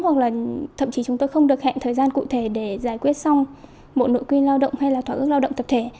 hoặc là thậm chí chúng tôi không được hẹn thời gian cụ thể để giải quyết xong bộ nội quy lao động hay là thỏa ước lao động tập thể